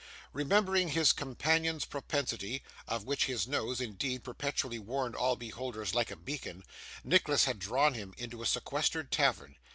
Remembering his companion's propensity, of which his nose, indeed, perpetually warned all beholders like a beacon, Nicholas had drawn him into a sequestered tavern.